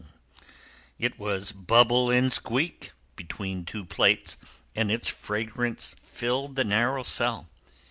It was bubble and squeak, between two plates, and its fragrance filled the narrow cell.